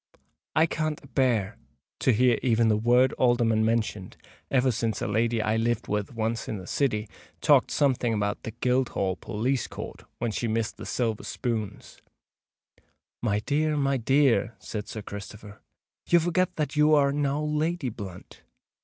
"I can't a bear to hear even the word Alderman mentioned, ever since a lady I lived with once in the City talked something about the Guildhall police court when she missed the silver spoons——" "My dear, my dear," said Sir Christopher; "you forget that you are now Lady Blunt!